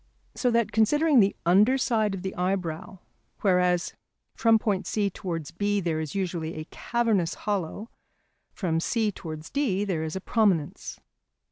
So that considering the under side of the eyebrow, whereas from point C towards B there is usually a cavernous hollow, from C towards D there is a prominence.